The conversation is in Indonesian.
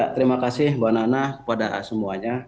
terima kasih mbak nana kepada semuanya